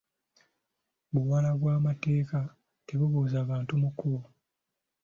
Buwala bwa mateeka tebubuuza bantu mu kubo.